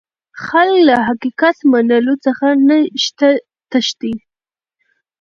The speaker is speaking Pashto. خلک له حقيقت منلو څخه تښتي.